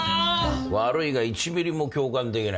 悪いが１ミリも共感できないな。